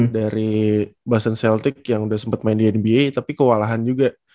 dari boston celtics yang udah sempat main di nba tapi kewalahan juga